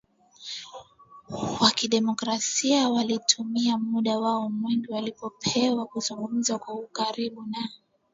Wa demokrasia twalitumia muda wao mwingi waliopewa kuzungumza kwa ukaribu na